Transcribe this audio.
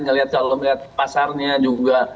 kalau ngeliat pasarnya juga